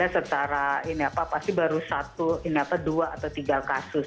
secara ini apa pasti baru satu dua atau tiga kasus